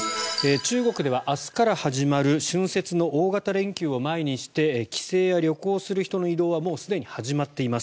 中国では明日から始まる春節の大型連休を前にして帰省や旅行する人の移動はもうすでに始まっています。